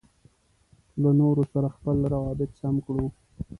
له نورو سره خپل روابط سم کړو.